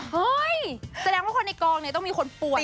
แสดงว่าคนในกองเนี่ยต้องมีคนป่วย